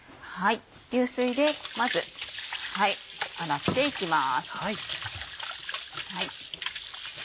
流水でまず洗っていきます。